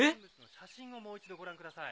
写真をもう一度ご覧ください。